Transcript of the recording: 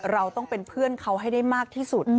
เราต้องเป็นเพื่อนเขาให้ได้มากที่สุด